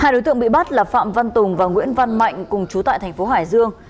hai đối tượng bị bắt là phạm văn tùng và nguyễn văn mạnh cùng chú tại thành phố hải dương